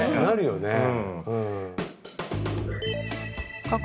なるよね。